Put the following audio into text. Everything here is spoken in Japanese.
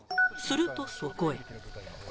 するとそこへ。